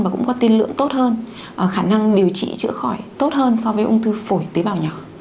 và cũng có tiên lượng tốt hơn khả năng điều trị chữa khỏi tốt hơn so với ung thư phổi tế bào nhỏ